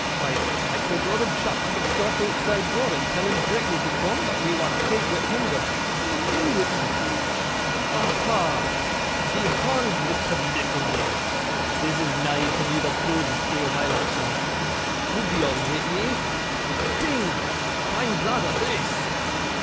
Why, I told t'oother chap to look sharp ootside door, and tell 'un d'rectly he coom, thot we war faint wi' hoonger. In wi' 'un. Aha! Thee hond, Misther Nickleby. This is nigh to be the proodest day o' my life, sir. Hoo be all wi' ye? Ding! But, I'm glod o' this!